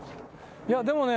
いやでもね